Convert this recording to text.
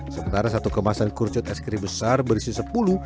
sementara satu kemasan kurcut es krim besar berisi sepuluh